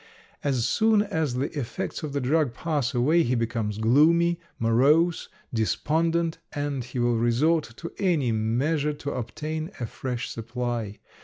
As soon as the effects of the drug pass away he becomes gloomy, morose, despondent, and he will resort to any measure to obtain a fresh supply.